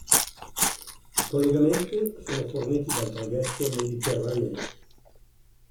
I collegamenti sono forniti dal traghetto "Méditerranée".